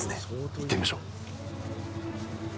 行ってみましょう。